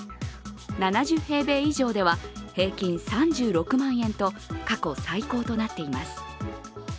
７０平米以上では平均３６万円と過去最高となっています。